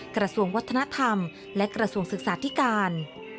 กระทรวงวัฒนธรรมและกระทรวงศึกษาธิการ